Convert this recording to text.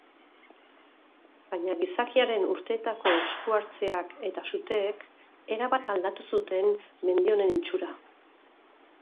Baina gizakiaren urteetako esku hartzeak eta suteek erabat aldatu zuten mendi honen itxura.